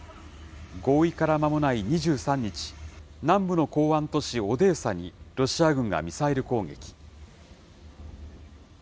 合意からまもない２３日、南部の港湾都市、オデーサにロシア軍がミサイル攻撃。